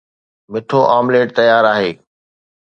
مٺو آمليٽ تيار آهي